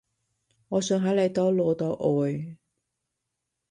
我想喺你度攞到愛